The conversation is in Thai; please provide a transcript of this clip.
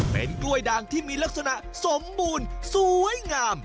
เป็นกล้วยด่างที่มีลักษณะสมบูรณ์สวยงาม